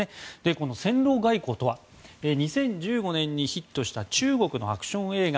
この戦狼外交とは２０１５年にヒットした中国のアクション映画